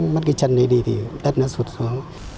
mất cái chân này đi thì đất nó sụt xuống